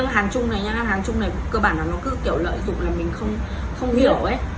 tuy nhiên hàng chung này cơ bản nó cứ kiểu lợi dụng là mình không hiểu ý